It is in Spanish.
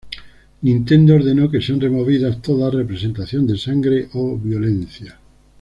Nintendo ordenó que sean removidas toda representación de sangre o violencia.